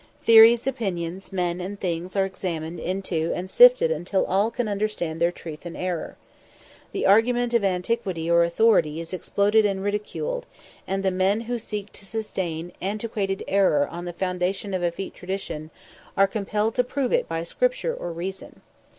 Theories, opinions, men, and things, are examined into and sifted until all can understand their truth and error. The argument of antiquity or authority is exploded and ridiculed, and the men who seek to sustain antiquated error on the foundation of effete tradition are compelled to prove it by scripture or reason.